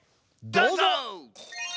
どうぞ！